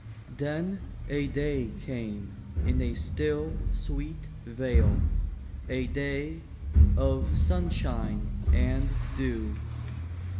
Then a day came in a still, sweet vale, a day of sun shine and dew.